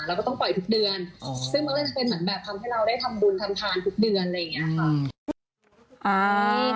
เราก็ต้องปล่อยทุกเดือนซึ่งมันก็จะเป็นเหมือนแบบทำให้เราได้ทำบุญทำทานทุกเดือนอะไรอย่างนี้ค่ะ